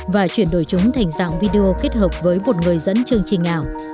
và chuyển đổi chúng thành dạng video kết hợp với một người dẫn chương trình ảo